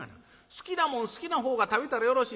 好きなもん好きなほうが食べたらよろしいやろ。